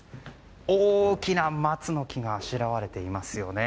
大きな松の木があしらわれていますよね。